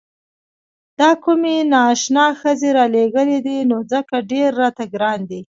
دا کومې نا اشنا ښځې رالېږلي دي نو ځکه ډېر راته ګران دي.